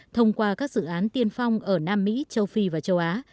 thông qua các dự án tiên phong ở nam mỹ châu phi và châu á